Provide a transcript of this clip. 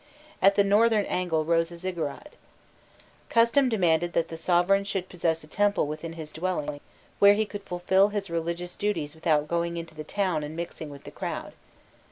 At the northern angle rose a ziggurat. Custom demanded that the sovereign should possess a temple within his dwelling, where he could fulfil his religious duties without going into the town and mixing with the crowd.